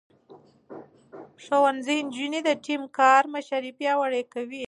ښوونځی نجونې د ټيم کار مشري پياوړې کوي.